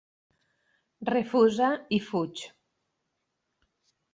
Refusa i fuig.